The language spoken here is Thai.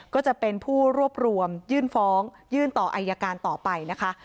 ก็จะเป็นผู้รวบรวมยื่นฟ้องยื่นต่ออายการต่อไปนะคะ